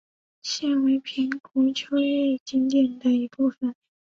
现为平湖秋月景点的一部分。